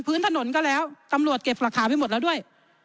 พื้นถนนก็แล้วตำรวจเก็บหลักฐานไปหมดแล้วด้วย